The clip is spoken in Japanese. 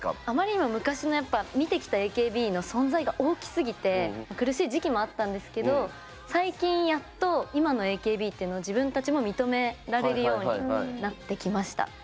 あまりにも昔のやっぱ見てきたＡＫＢの存在が大きすぎて苦しい時期もあったんですけど最近やっと今のＡＫＢっていうのを自分たちも認められるようになってきました。